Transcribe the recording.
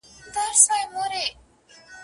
له آمو تر مست هلمنده مامن زما دی